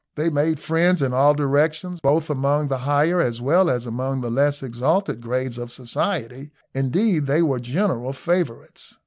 They made friends in all directions, both among the higher as well as among the less exalted grades of society; indeed, they were general favourites.